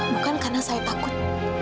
bukan karena saya takut